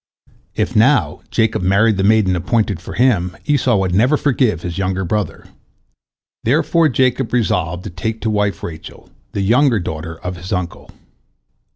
If, now, Jacob married the maiden appointed for him, Esau would never forgive his younger brother. Therefore Jacob resolved to take to wife Rachel, the younger daughter of his uncle.